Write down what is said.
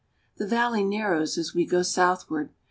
The valley narrows as we go southward.